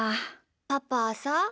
パパはさ